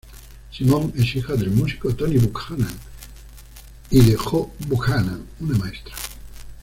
Simone es hija del músico Tony Buchanan y de Jo Buchanan, una maestra.